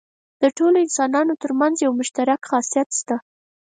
د ټولو انسانانو تر منځ یو مشترک خاصیت شته.